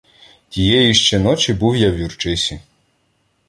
Тієї ще ночі був я в Юрчисі.